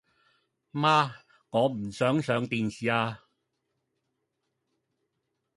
媽，我唔想上電視吖